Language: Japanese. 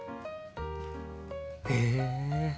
へえ。